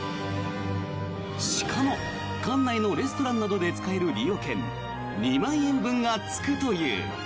しかも館内のレストランなどで使える利用券２万円分がつくという。